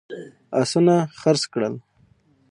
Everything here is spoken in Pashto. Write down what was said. آسونه خرڅ کړل.